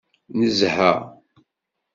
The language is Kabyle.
Nezha.